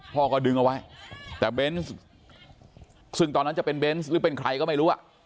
พ่อก็ดึงเอาไว้แต่เบนส์ซึ่งตอนนั้นจะเป็นเบนส์หรือเป็นใครก็ไม่รู้อ่ะ